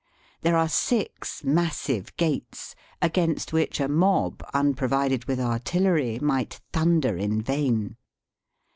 There are six massive gates, against which a mob unprovided with artillery might thunder in vain.